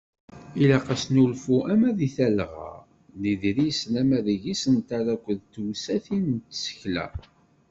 Ilaq asnulfu ama deg talɣa n yiḍrisen ama deg yisental akked tewsatin n tsekla.